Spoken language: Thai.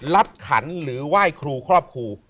ขันหรือไหว้ครูครอบครู